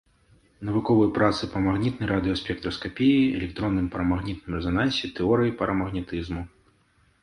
Навуковыя працы па магнітнай радыёспектраскапіі, электронным парамагнітным рэзанансе, тэорыі парамагнетызму.